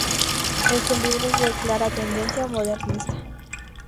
Este libro es de clara tendencia modernista.